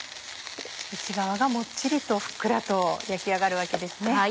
内側がもっちりとふっくらと焼き上がるわけですね。